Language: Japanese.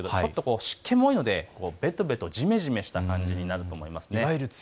湿気も多いのでべとべと、じめじめした感じになると思います。